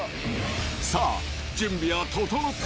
さあ、準備は整った。